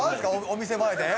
お店前で？